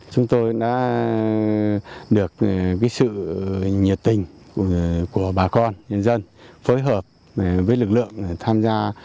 chúng tôi đã được sự nhiệt tình của bà con nhân dân phối hợp với lực lượng tham gia